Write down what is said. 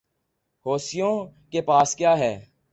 حوثیوں کے پاس کیا ہے؟